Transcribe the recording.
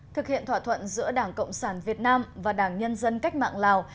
thực hiện thỏa thuận giữa đảng cộng sản việt nam và đảng nhân dân cách mạng lào